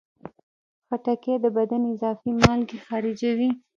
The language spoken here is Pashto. خټکی د بدن اضافي مالګې خارجوي.